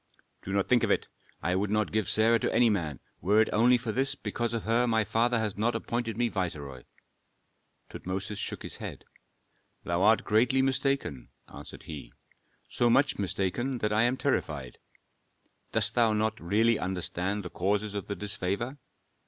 '" "Do not think of it. I would not give Sarah to any man, were it only for this, because of her my father has not appointed me viceroy." Tutmosis shook his head. "Thou art greatly mistaken," answered he, "so much mistaken that I am terrified. Dost thou not really understand the causes of the disfavor?